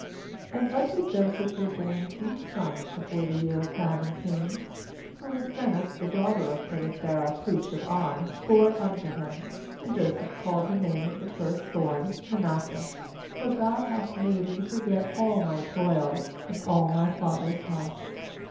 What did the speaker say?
^And unto Joseph were born two sons before the year of famine came, whom Asenath the daughter of Poti phera pnest of On bore unto him. 81And Joseph called the name of the first born aManasseh: 'for God hath made me forget all my toil, and all my father's house.'